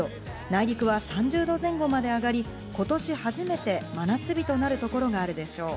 内陸は３０度前後まで上がり、今年初めて真夏日となるところがあるでしょう。